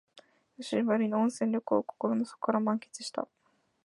久しぶりの温泉旅行を心の底から満喫した